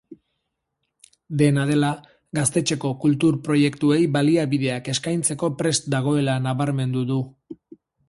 Dena dela, gaztetxeko kultur proiektuei baliabideak eskaintzeko prest dagoela nabarmendu du.